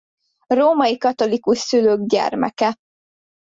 Római katolikus szülők gyermeke.